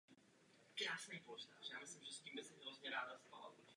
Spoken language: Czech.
Spravedlnost musí být uplatňována stejným způsobem na každého.